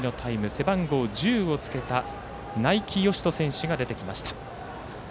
背番号１０をつけた内木喜斗選手が出てきました。